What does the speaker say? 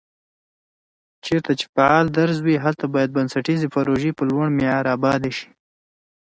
چېرته چې فعال درز وي، هلته باید بنسټيزې پروژي په لوړ معیار آبادې شي